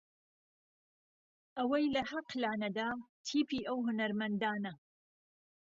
ئەوەی لە حەق لا نەدا تیپی ئەو هونەرمەندانە